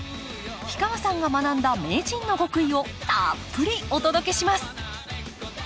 氷川さんが学んだ名人の極意をたっぷりお届けします